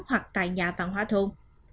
hoặc tại nhà văn hóa thôn